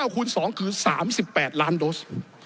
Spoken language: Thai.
คูณ๒คือ๓๘ล้านโดส